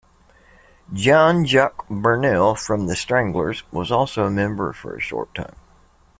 Jean-Jacques Burnel from The Stranglers was also a member for a short time.